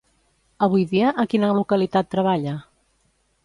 Avui dia, a quina localitat treballa?